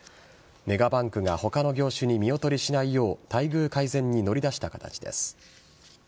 メガバンクが他の業種に見劣りしないよう待遇改善に乗り出した形です。